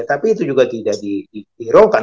tapi itu juga tidak dihirukan